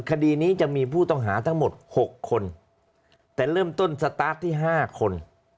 คดีนี้จะมีผู้ต้องหาทั้งหมด๖คนแต่เริ่มต้นสตาร์ทที่๕คน